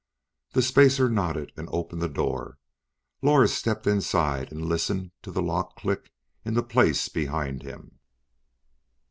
The spacer nodded and opened the door. Lors stepped inside and listened to the lock click into place behind him.